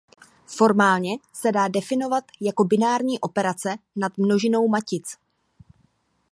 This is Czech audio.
Formálně se dá definovat jako binární operace nad množinou matic.